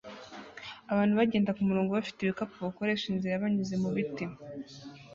Abantu bagenda kumurongo bafite ibikapu bakoresha inzira banyuze mubiti